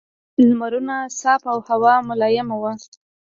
لمرونه صاف او هوا ملایمه وه.